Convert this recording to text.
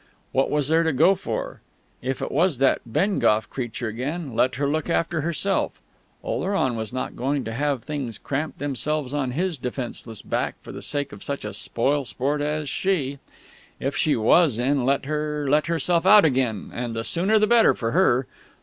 What was there to go for? If it was that Bengough creature again, let her look after herself; Oleron was not going to have things cramp themselves on his defenceless back for the sake of such a spoilsport as she!... If she was in, let her let herself out again, and the sooner the better for her!